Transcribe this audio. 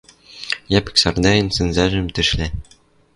Йӓпӹк Сардайын сӹнзӓжӹм тӹшлӓ.